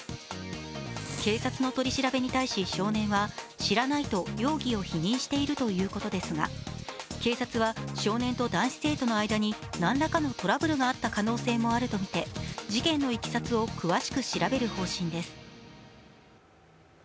警察の取り調べに対し少年は知らないと容疑を否認しているということですが警察は少年と男子生徒の間に何らかのトラブルがあった可能性もあるとみて事件のいきさつを詳しく調べる方針です。